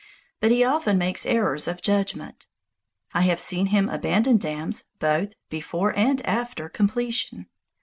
But he often makes errors of judgment. I have seen him abandon dams both before and after completion.